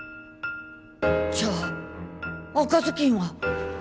じゃあ赤ずきんは。